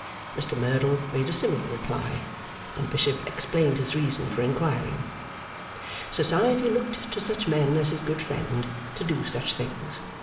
Mr Merdle made a similar reply, and Bishop explained his reason for inquiring. Society looked to such men as his good friend to do such things.